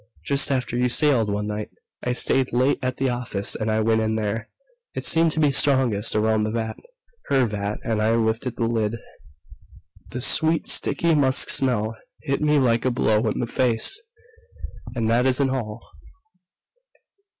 Just after you sailed one night I stayed late at the office, and I went in there.... It seemed to be strongest around the vat her vat and I lifted the lid. "The sweet, sticky musk smell hit me like a blow in the face. "And that isn't all!"